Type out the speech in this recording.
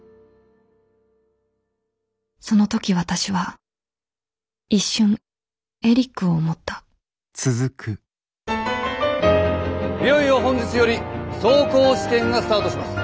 その時私は一瞬エリックを思ったいよいよ本日より走行試験がスタートします。